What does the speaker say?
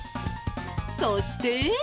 そして。